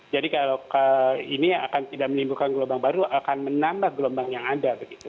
jadi kalau ini akan tidak menimbulkan gelombang baru akan menambah gelombang yang ada begitu